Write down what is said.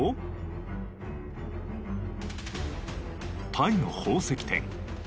タイの宝石店。